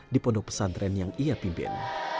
di pondok pesantren yang ia pimpin